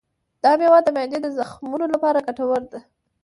دا مېوه د معدې د زخمونو لپاره ګټوره ده.